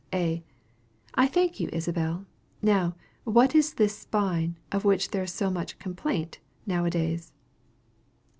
A. I thank you, Isabel. Now, what is this spine, of which there is so much "complaint" now a days?